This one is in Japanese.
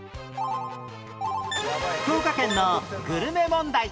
福岡県のグルメ問題